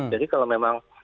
jadi kalau memang